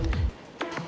gue balik aja ya